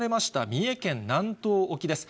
三重県南東沖です。